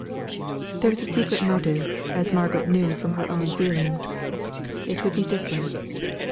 There was the secret motive, as Margaret knew from her own feelings. It would be different.